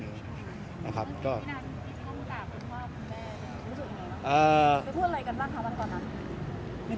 พี่น้องที่จะต้องกลับว่าคุณแม่จะรู้สึกยังไงจะพูดอะไรกันบ้างครับ